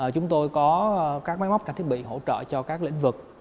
chúng tôi có các máy móc cà thiết bị hỗ trợ cho các lĩnh vực